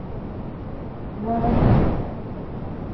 No haver-hi déu que.